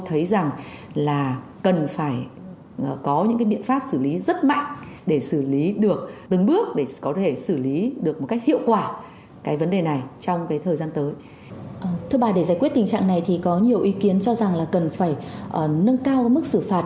thưa bà để giải quyết tình trạng này thì có nhiều ý kiến cho rằng là cần phải nâng cao mức xử phạt